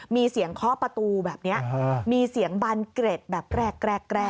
มีเสียงเคาะประตูแบบนี้มีเสียงบานเกร็ดแบบแรก